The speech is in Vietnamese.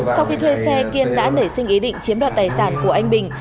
sau khi thuê xe kiên đã nảy sinh ý định chiếm đoạt tài sản của anh bình